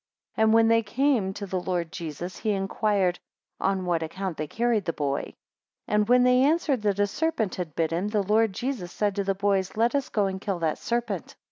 9 And when they came to the Lord Jesus, he inquired, On what account they carried that boy? 10 And when they answered that a serpent had bitten him, the Lord Jesus said to the boys, Let us go and kill that serpent.